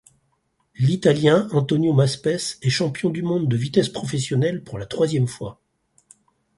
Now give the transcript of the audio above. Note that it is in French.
L'Italien Antonio Maspes est champion du monde de vitesse professionnelle pour la troisième fois.